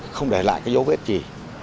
không để lại cái dấu vết gì